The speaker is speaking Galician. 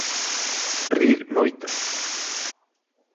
Rir moito.